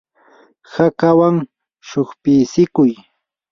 hakawan shuqpitsikuy.